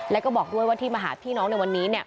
แล้วก็บอกด้วยว่าที่มาหาพี่น้องในวันนี้